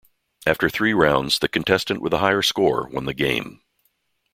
After three rounds, the contestant with the higher score won the game.